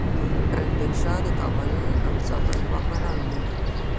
رتبیل شاهان د کابل او زابل واکمنان وو